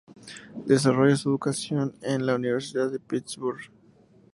Desarrolla su educación en la Universidad de Pittsburgh.